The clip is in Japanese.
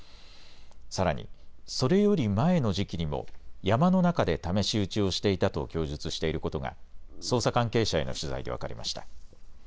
さらにそれより前の時期にも山の中で試し撃ちをしていたと供述していることが捜査関係者への取材で分かりました。